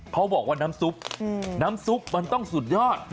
เขาบอกว่าน้ำซุปน้ำซุปมันต้องสุดยอด